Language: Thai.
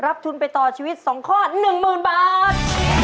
ทุนไปต่อชีวิต๒ข้อ๑๐๐๐บาท